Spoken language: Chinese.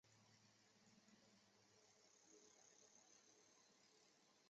女神在游戏中是玩家的重要助手。